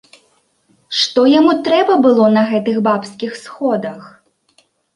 Што яму трэба было на гэтых бабскіх сходах?